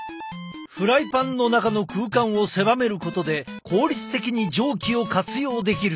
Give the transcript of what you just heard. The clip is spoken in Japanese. フライパンの中の空間を狭めることで効率的に蒸気を活用できるのだ。